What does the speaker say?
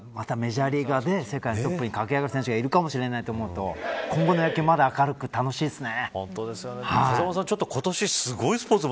そして、末にはまたメジャーリーグで世界のトップに駆け上がる選手がいるかもしれないと思うと今後の野球まだ明るく、楽しいですね。